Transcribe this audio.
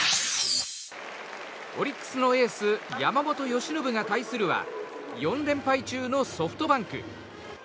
オリックスのエース山本由伸が対するは４連敗中のソフトバンク。